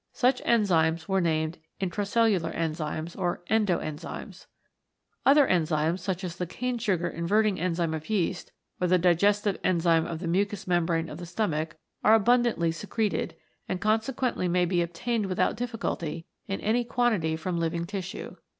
Such enzymes were named Intracelhdar Enzymes or Endo Enzymes. Other enzymes, such as the cane sugar inverting enzyme of yeast, or the digestive enzyme of the mucous membrane of the stomach are abundantly secreted and conse quently may be obtained without difficulty in any quantity from living tissue.